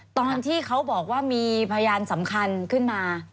ตอนที่เขาบอกว่ามีพยานสำคัญขึ้นมา